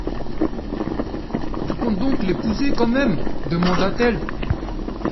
Tu comptes donc l'épouser quand même ? demanda-t-elle.